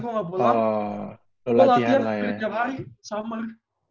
gue latihan banyak jam hari summer